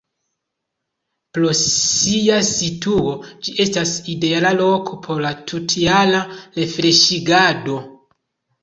Pro sia situo ĝi estas ideala loko por la tutjara refreŝigado.